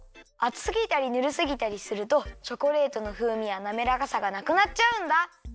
あつすぎたりぬるすぎたりするとチョコレートのふうみやなめらかさがなくなっちゃうんだ。